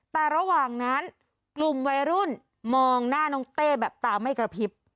แต่ระหว่างนั้นกลุ่มวัยรุ่นมองหน้าน้องเต้แบบตาไม่กระพริบ